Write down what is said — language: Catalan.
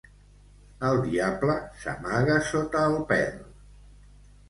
El diable s'amaga sota el pèl.